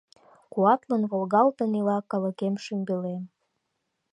Куатлын волгалтын ила калыкем-шӱмбелем.